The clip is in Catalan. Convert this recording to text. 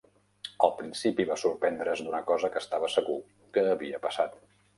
Al principi va sorprendre's d'una cosa que estava segur que havia passat.